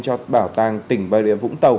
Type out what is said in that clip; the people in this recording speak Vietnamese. cho bảo tàng tỉnh bà rịa vũng tàu